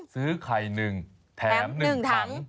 ซื้อไข่หนึ่งแถมหนึ่งทั้ง